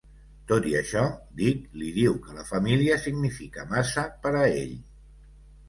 Tot i això, Dick li diu que la família significa massa per a ell.